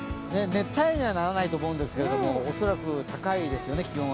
熱帯夜にはならないと思うんですけれども恐らく気温は高いですよね。